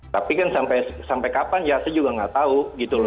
tapi sampai kapan saya juga tidak tahu